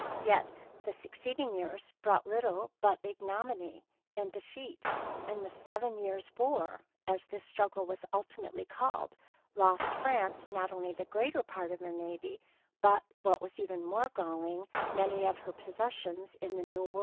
Yet the succeeding years brought little but ignominy and defeat, and The Seven Years War, as this struggle was ultimately called, lost France not only the greater part of her navy, but, what was even more galling, many of her possessions in the New World.